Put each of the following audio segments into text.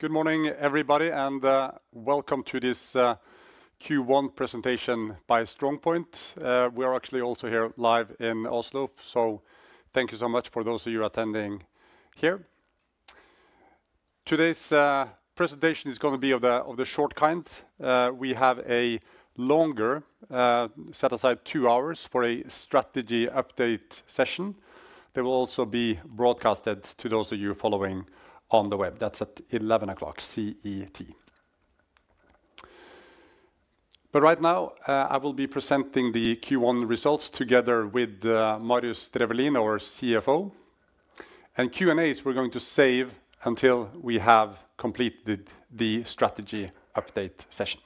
Good morning, everybody, and welcome to this Q1 presentation by StrongPoint. We are actually also here live in Oslo, so thank you so much for those of you attending here. Today's presentation is going to be of the short kind. We have a longer set aside 2 hours for a strategy update session. They will also be broadcasted to those of you following on the web. That's at 11:00 A.M. CET. But right now, I will be presenting the Q1 results together with Marius Drefvelin, our CFO. And Q&As we're going to save until we have completed the strategy update session.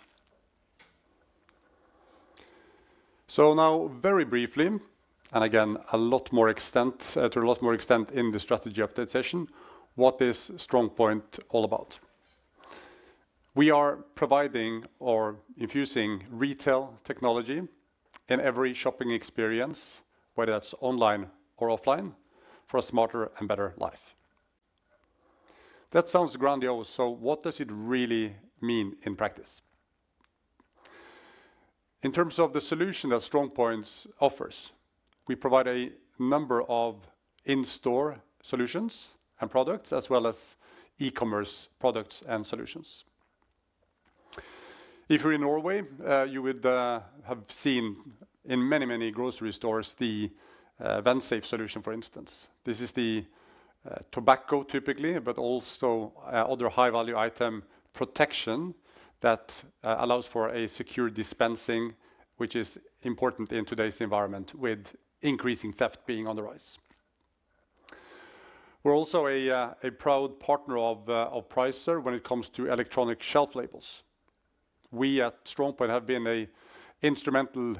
So now, very briefly, and again, to a lot more extent in the strategy update session, what is StrongPoint all about? We are providing or infusing retail technology in every shopping experience, whether that's online or offline, for a smarter and better life. That sounds grandiose, so what does it really mean in practice? In terms of the solution that StrongPoint offers, we provide a number of in-store solutions and products, as well as e-commerce products and solutions. If you're in Norway, you would have seen in many, many grocery stores the Vensafe solution, for instance. This is the tobacco, typically, but also other high-value item protection that allows for a secure dispensing, which is important in today's environment with increasing theft being on the rise. We're also a proud partner of Pricer when it comes to electronic shelf labels. We at StrongPoint have been an instrumental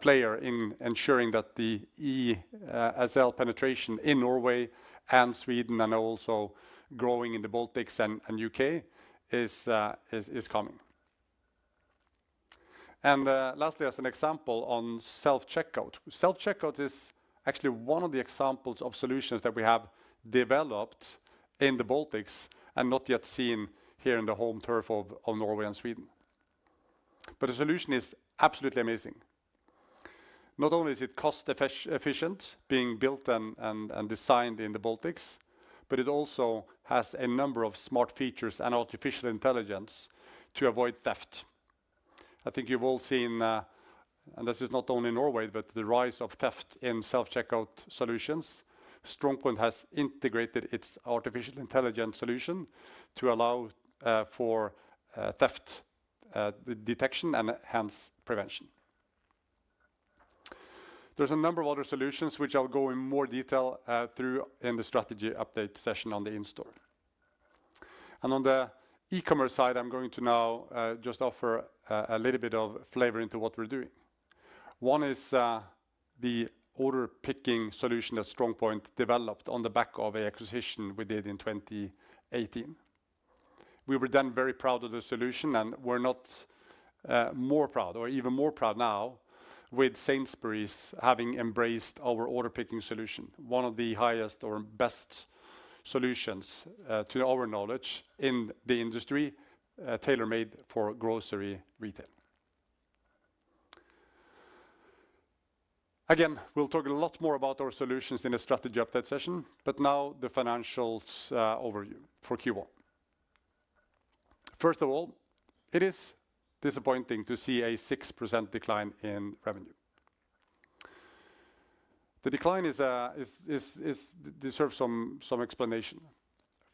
player in ensuring that the ESL penetration in Norway and Sweden, and also growing in the Baltics and UK, is coming. Lastly, as an example on self-checkout, self-checkout is actually one of the examples of solutions that we have developed in the Baltics and not yet seen here in the home turf of Norway and Sweden. But the solution is absolutely amazing. Not only is it cost-efficient being built and designed in the Baltics, but it also has a number of smart features and artificial intelligence to avoid theft. I think you've all seen, and this is not only in Norway, but the rise of theft in self-checkout solutions. StrongPoint has integrated its artificial intelligence solution to allow for theft detection and hence prevention. There's a number of other solutions which I'll go in more detail through in the strategy update session on the in-store. On the e-commerce side, I'm going to now just offer a little bit of flavor into what we're doing. One is the order picking solution that StrongPoint developed on the back of an acquisition we did in 2018. We were then very proud of the solution and we're not more proud, or even more proud now, with Sainsbury's having embraced our order picking solution, one of the highest or best solutions to our knowledge in the industry, tailor-made for grocery retail. Again, we'll talk a lot more about our solutions in the strategy update session, but now the financials overview for Q1. First of all, it is disappointing to see a 6% decline in revenue. The decline deserves some explanation.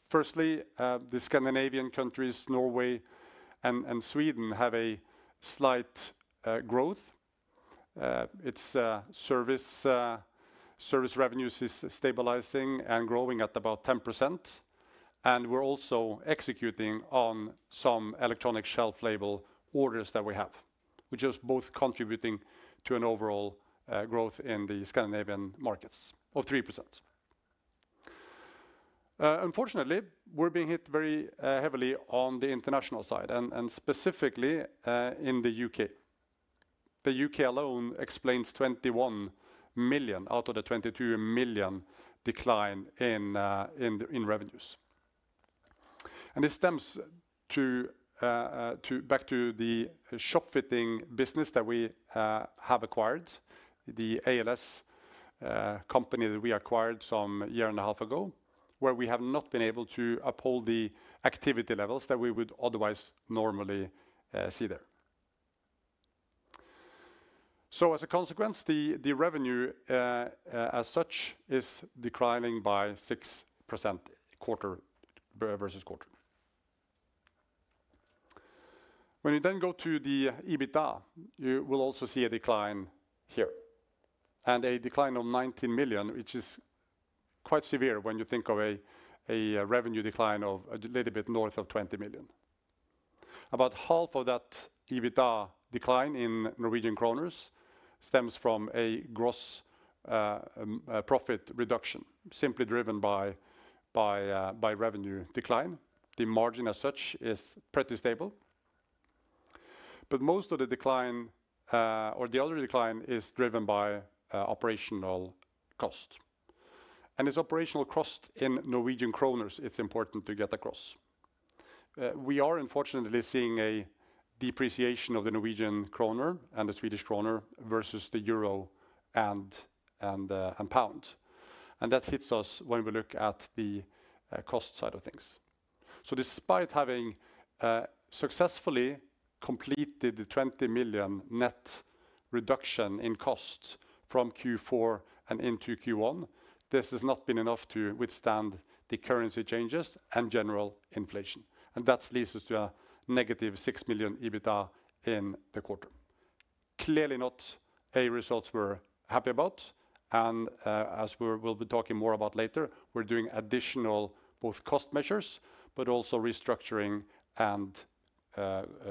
Firstly, the Scandinavian countries, Norway and Sweden, have a slight growth. Its service revenues are stabilizing and growing at about 10%. And we're also executing on some electronic shelf label orders that we have, which are both contributing to an overall growth in the Scandinavian markets of 3%. Unfortunately, we're being hit very heavily on the international side, and specifically in the UK. The UK alone explains 21 million out of the 22 million decline in revenues. This stems back to the shop fitting business that we have acquired, the ALS company that we acquired some year and a half ago, where we have not been able to uphold the activity levels that we would otherwise normally see there. As a consequence, the revenue as such is declining by 6% quarter-over-quarter. When you then go to the EBITDA, you will also see a decline here, and a decline of 19 million, which is quite severe when you think of a revenue decline of a little bit north of 20 million. About half of that EBITDA decline in Norwegian kroner stems from a gross profit reduction, simply driven by revenue decline. The margin as such is pretty stable. But most of the decline, or the other decline, is driven by operational cost. And it's operational cost in Norwegian kroners. It's important to get across. We are, unfortunately, seeing a depreciation of the Norwegian kroner and the Swedish kroner versus the euro and pound. And that hits us when we look at the cost side of things. So despite having successfully completed the 20 million net reduction in costs from Q4 and into Q1, this has not been enough to withstand the currency changes and general inflation. And that leads us to a negative 6 million EBITDA in the quarter. Clearly not a result we're happy about. And as we'll be talking more about later, we're doing additional both cost measures, but also restructuring and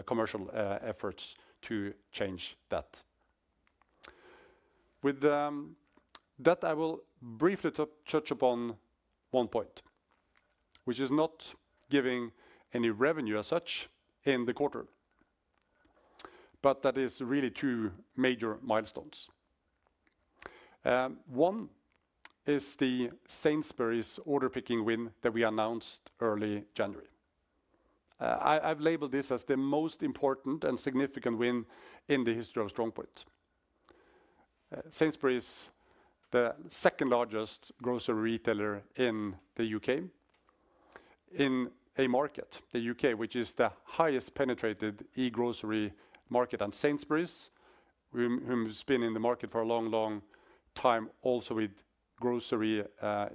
commercial efforts to change that. With that, I will briefly touch upon one point, which is not giving any revenue as such in the quarter. But that is really two major milestones. One is the Sainsbury's order picking win that we announced early January. I've labeled this as the most important and significant win in the history of StrongPoint. Sainsbury's is the second largest grocery retailer in the U.K., in a market, the U.K., which is the highest penetrated e-grocery market. And Sainsbury's, who's been in the market for a long, long time also with grocery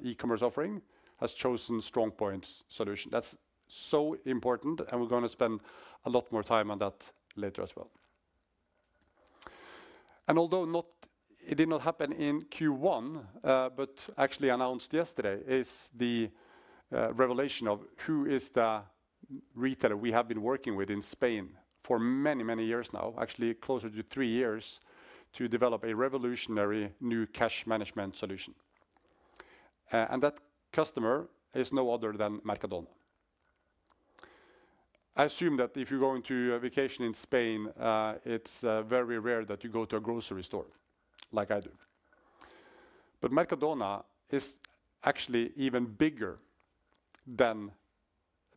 e-commerce offering, has chosen StrongPoint's solution. That's so important, and we're going to spend a lot more time on that later as well. And although it did not happen in Q1, but actually announced yesterday, is the revelation of who is the retailer we have been working with in Spain for many, many years now, actually closer to three years, to develop a revolutionary new cash management solution. And that customer is no other than Mercadona. I assume that if you're going to a vacation in Spain, it's very rare that you go to a grocery store like I do. But Mercadona is actually even bigger than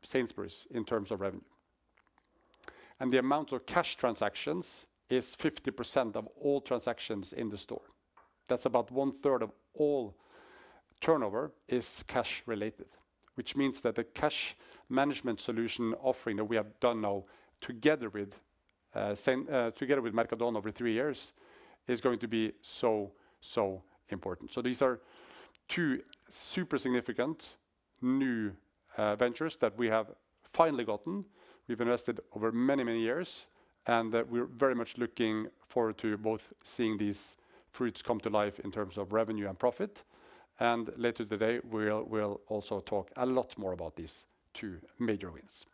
Sainsbury's in terms of revenue. And the amount of cash transactions is 50% of all transactions in the store. That's about one-third of all turnover is cash-related, which means that the cash management solution offering that we have done now together with Mercadona over three years is going to be so, so important. So these are two super significant new ventures that we have finally gotten. We've invested over many, many years, and we're very much looking forward to both seeing these fruits come to life in terms of revenue and profit. Later today, we'll also talk a lot more about these two major wins.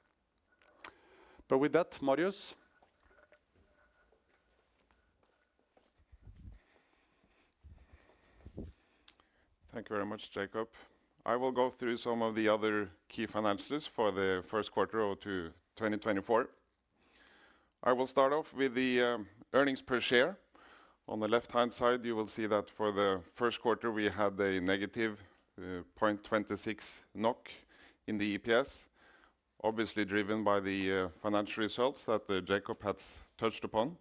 With that, Marius? Thank you very much, Jacob. I will go through some of the other key financials for the first quarter of 2024. I will start off with the earnings per share. On the left-hand side, you will see that for the first quarter, we had a -0.26 NOK in the EPS, obviously driven by the financial results that Jacob has touched upon.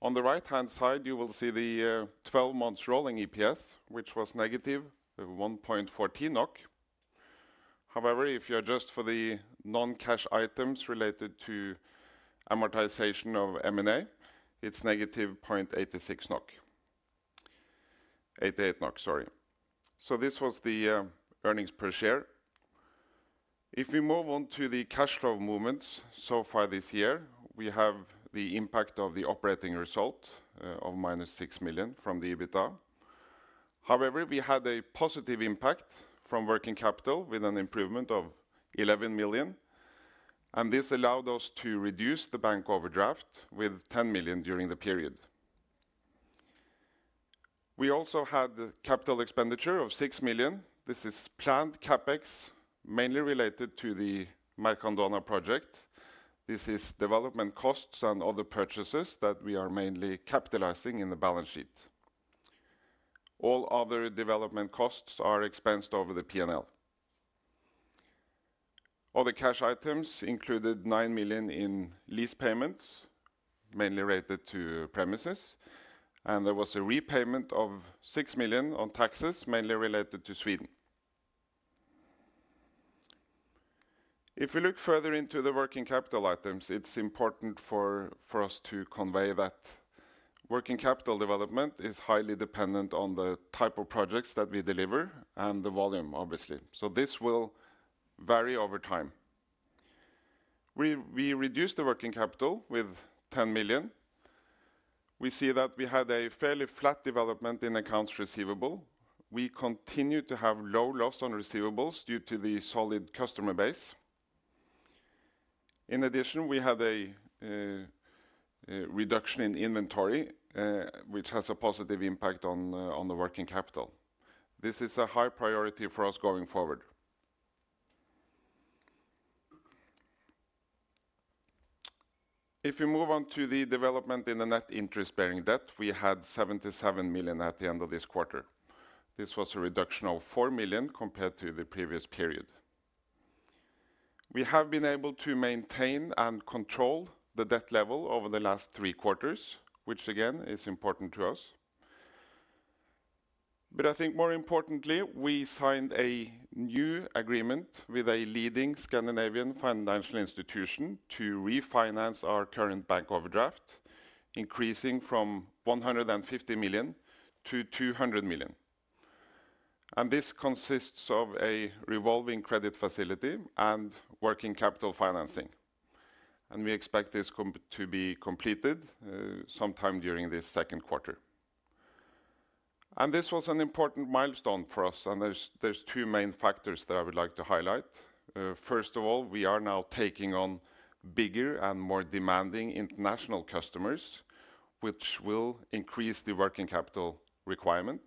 On the right-hand side, you will see the 12-month rolling EPS, which was negative 1.14 NOK. However, if you adjust for the non-cash items related to amortization of M&A, it's negative 0.86 NOK. 0.88 NOK, sorry. So, this was the earnings per share. If we move on to the cash flow movements so far this year, we have the impact of the operating result of -6 million from the EBITDA. However, we had a positive impact from working capital with an improvement of 11 million. This allowed us to reduce the bank overdraft with 10 million during the period. We also had capital expenditure of 6 million. This is planned CAPEX, mainly related to the Mercadona project. This is development costs and other purchases that we are mainly capitalizing in the balance sheet. All other development costs are expensed over the P&L. Other cash items included 9 million in lease payments, mainly related to premises. There was a repayment of 6 million on taxes, mainly related to Sweden. If we look further into the working capital items, it's important for us to convey that working capital development is highly dependent on the type of projects that we deliver and the volume, obviously. This will vary over time. We reduced the working capital with 10 million. We see that we had a fairly flat development in accounts receivable. We continue to have low loss on receivables due to the solid customer base. In addition, we had a reduction in inventory, which has a positive impact on the working capital. This is a high priority for us going forward. If we move on to the development in the net interest-bearing debt, we had 77 million at the end of this quarter. This was a reduction of 4 million compared to the previous period. We have been able to maintain and control the debt level over the last three quarters, which again is important to us. But I think more importantly, we signed a new agreement with a leading Scandinavian financial institution to refinance our current bank overdraft, increasing from 150 million to 200 million. And this consists of a revolving credit facility and working capital financing. And we expect this to be completed sometime during this second quarter. This was an important milestone for us, and there's two main factors that I would like to highlight. First of all, we are now taking on bigger and more demanding international customers, which will increase the working capital requirement.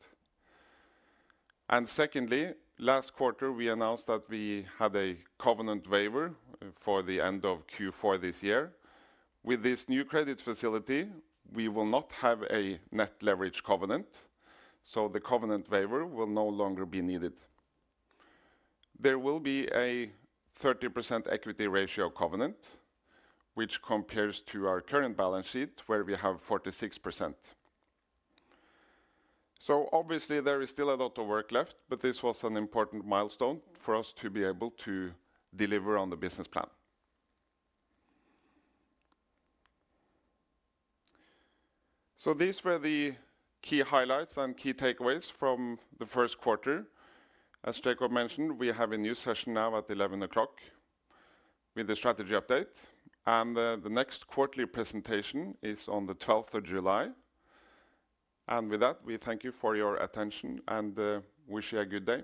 Secondly, last quarter, we announced that we had a covenant waiver for the end of Q4 this year. With this new credit facility, we will not have a net leverage covenant. The covenant waiver will no longer be needed. There will be a 30% equity ratio covenant, which compares to our current balance sheet, where we have 46%. Obviously, there is still a lot of work left, but this was an important milestone for us to be able to deliver on the business plan. These were the key highlights and key takeaways from the first quarter. As Jacob mentioned, we have a new session now at 11:00 A.M. with the strategy update. The next quarterly presentation is on the 12th of July. With that, we thank you for your attention and wish you a good day.